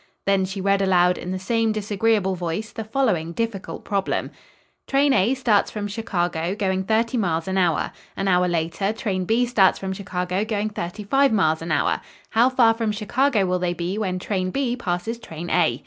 Then she read aloud in the same disagreeable voice, the following difficult problem: "'Train A starts from Chicago going thirty miles an hour. An hour later Train B starts from Chicago going thirty five miles an hour. How far from Chicago will they be when Train B passes Train A?'"